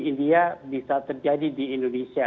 india bisa terjadi di indonesia